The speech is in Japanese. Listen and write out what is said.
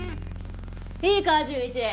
いいか潤一。